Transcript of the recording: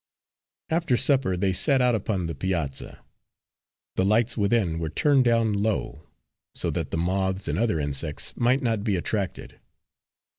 After supper they sat out upon the piazza. The lights within were turned down low, so that the moths and other insects might not be attracted.